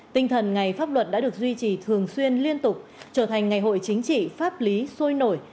tinh thần ngày pháp luật đã được duy trì thường xuyên liên tục trở thành ngày hội chính trị pháp lý sôi nổi